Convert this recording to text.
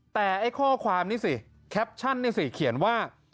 แต่ไอ้ข้อความนี่สิแคปชั่นนี่สิเขียนว่า